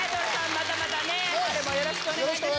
またまたね春もよろしくお願い致しますよ